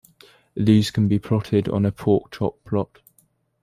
These can be plotted on a porkchop plot.